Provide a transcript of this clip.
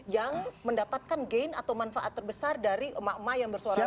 yang mendapatkan gain atau manfaat terbesar dari emak emak yang bersuara